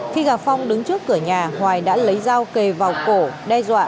khi gặp phong đứng trước cửa nhà hoài đã lấy dao kề vào cổ đe dọa